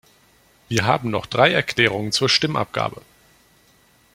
Wir haben noch drei Erklärungen zur Stimmabgabe.